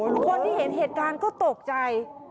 คนที่เห็นเหตุการณ์ก็ตกใจ